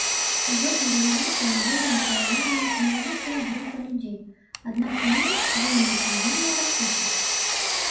У гэтай рэвалюцыі ўдзельнічала вельмі невялікая група людзей, аднак яны дзейнічалі вельмі рашуча.